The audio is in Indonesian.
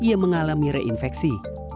ia mengalami reinfeksi